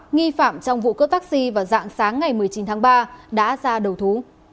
nghi phạm trong vụ cướp taxi vào dạng sáng ngày một mươi chín tháng ba đã ra đầu thú